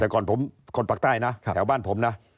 แต่ก่อนผมคนปากใต้นะแถวบ้านผมนะ